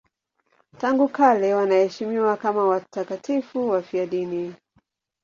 Tangu kale wanaheshimiwa kama watakatifu wafiadini.